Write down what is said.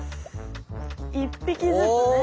１匹ずつね。